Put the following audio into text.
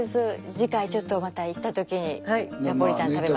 次回ちょっとまた行った時にナポリタン食べます。